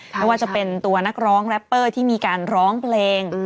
ไม่ว่าจะเป็นตัวนักร้องแรปเปอร์ที่มีการร้องเพลง